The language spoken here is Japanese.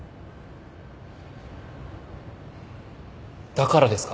だからですか？